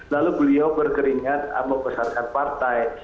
lalu beliau berkeringat membesarkan partai